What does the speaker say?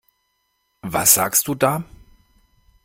Was sagst du da?